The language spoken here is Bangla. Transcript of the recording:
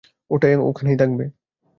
ওটা ওখানেই থাকবে।